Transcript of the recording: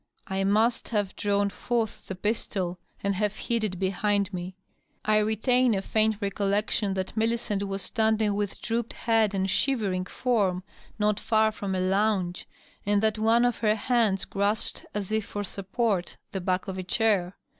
I must have drawn forth the pistol and have hid it behind me. I retain a faint recollection that Millicent was standing with drooped head and shivering form not far from a lounge, and that one of her hands grasped, as if for support, the back of a chair.